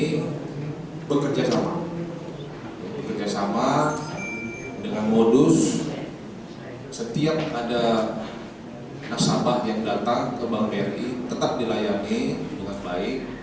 kami bekerja sama bekerjasama dengan modus setiap ada nasabah yang datang ke bank bri tetap dilayani dengan baik